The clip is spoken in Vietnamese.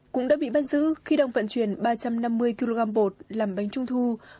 cũng đã bị bắt giữ khi đang vận chuyển ba trăm năm mươi kg bột làm bánh trung thu